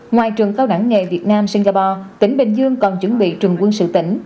ngoài trường cao đẳng nghề việt nam singapore tỉnh bình dương còn chuẩn bị trường quân sự tỉnh